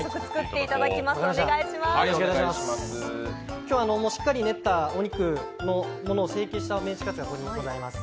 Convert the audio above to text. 今日はしっかり練ったお肉、成形したメンチカツがここにございます。